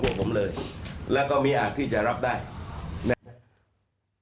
ปฏิตามภาพบังชั่วมังตอนของเหตุการณ์ที่เกิดขึ้นในวันนี้พร้อมกันครับ